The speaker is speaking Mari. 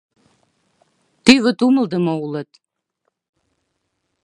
Тӱвыт умылыдымо улыт!